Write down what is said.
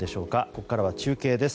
ここからは中継です。